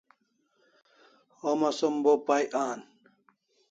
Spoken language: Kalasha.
Homa som bo pay an